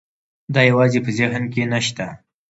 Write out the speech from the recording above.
دا یوازې په ذهن کې نه شته.